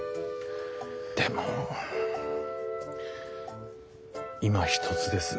でもいまひとつです。